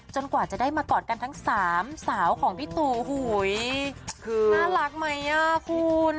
กว่าจะได้มากอดกันทั้งสามสาวของพี่ตูหูยคือน่ารักไหมอ่ะคุณ